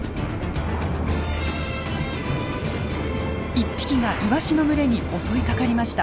１匹がイワシの群れに襲いかかりました。